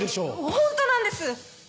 ホントなんです！